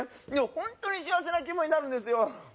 ホントに幸せな気分になるんですよ